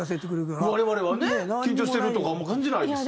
我々はね緊張してるとか感じないですよ。